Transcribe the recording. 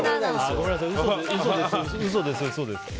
ごめんなさい嘘です、嘘です。